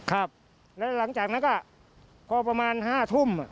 ครับแล้วหลังจากนั้นก็พอประมาณห้าทุ่มอ่ะ